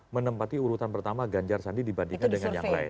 menempati urutan pertama ganjar sandi dibandingkan dengan yang lain